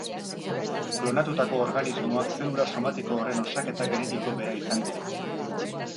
Klonatutako organismoak zelula somatiko horren osaketa genetiko bera izango du.